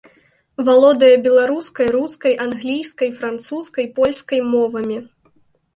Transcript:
Валодае беларускай, рускай, англійскай, французскай, польскай мовамі.